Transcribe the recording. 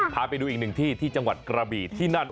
พาไปดูอีกหนึ่งที่ที่จังหวัดกระบีที่นั่น